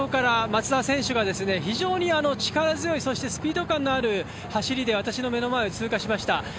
松田選手が非常に力強いそしてスピード感のある走りで私の目の前を通過しました。